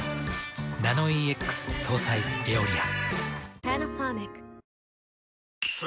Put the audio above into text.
ナノイーＸ搭載「エオリア」。